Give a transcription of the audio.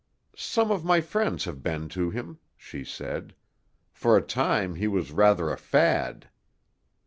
"Some of my friends have been to him," she said. "For a time he was rather a fad."